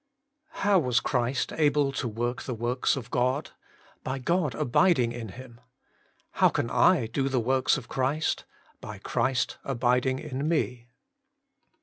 1. How was Christ able to work the works of God ? By God abiding in Him ! How can I do the works of Christ ? By Christ abiding in me